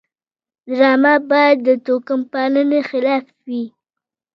ډرامه باید د توکم پالنې خلاف وي